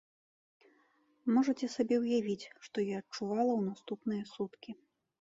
Можаце сабе ўявіць, што я адчувала ў наступныя суткі.